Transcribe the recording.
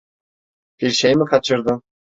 Bir şey mi kaçırdım?